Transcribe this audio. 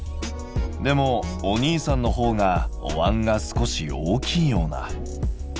でもお兄さんのほうがおわんが少し大きいような。